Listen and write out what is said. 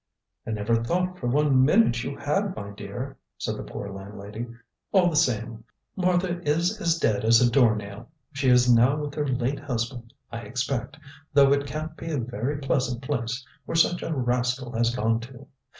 "I never thought for one minute you had, my dear," said the poor landlady. "All the same, Martha is as dead as a door nail. She is now with her late husband I expect, though it can't be a very pleasant place where such a rascal has gone to.